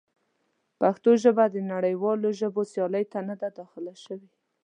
پښتو ژبه د نړیوالو ژبو سیالۍ ته نه ده داخله شوې.